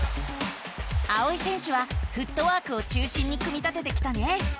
あおい選手はフットワークを中心に組み立ててきたね。